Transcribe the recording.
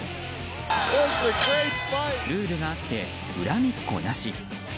ルールがあって、恨みっこなし。